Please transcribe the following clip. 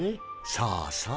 そうそう。